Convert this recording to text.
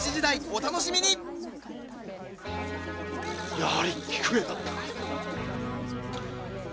やはり菊絵だったか！